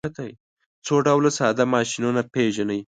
څو ډوله ساده ماشینونه پیژنئ.